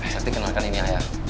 sakti kenalkan ini ayah